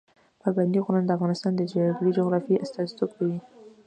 پابندي غرونه د افغانستان د ځانګړې جغرافیې استازیتوب کوي.